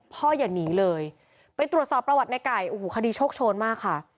อย่าหนีเลยไปตรวจสอบประวัติในไก่โอ้โหคดีโชคโชนมากค่ะ